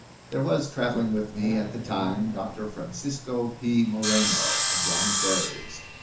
There was travelling with me at the time Doctor Francisco P. Moreno, of Buenos Aires.